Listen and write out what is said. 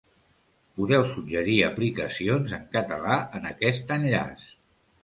Podeu suggerir aplicacions en català en aquest enllaç.